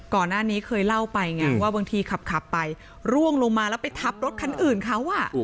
ก่อนหน้านี้เคยเล่าไปไงว่าบางทีขับไปร่วงลงมาแล้วไปทับรถคันอื่นเขา